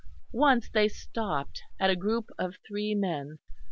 Once they stopped, at a group of three men.